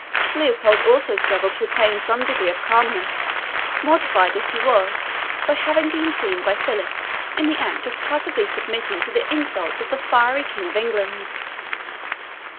Leopold also struggled to attain some degree of calmness, mortified as he was by having been seen by Philip in the act of passively submitting to the insults of the fiery King of England.